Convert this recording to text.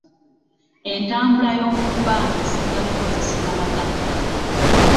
Entambula y'omubbanga esinga kukozesebwa baggaga.